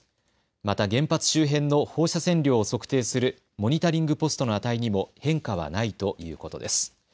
また原発周辺の放射線量を測定するモニタリングポストの値にも変化はないということです。